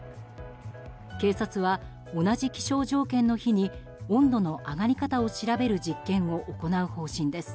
警察は、同じ気象条件の日に温度の上がり方を調べる実験を行う方針です。